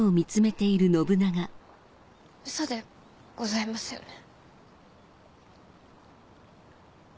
ウソでございますよね？